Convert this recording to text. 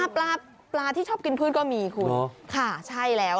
ปลาปลาที่ชอบกินพืชก็มีคุณค่ะใช่แล้ว